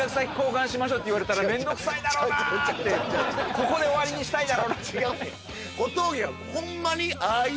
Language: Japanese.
ここで終わりにしたいだろうな